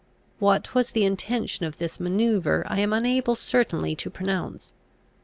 What was the intention of this manoeuvre I am unable certainly to pronounce.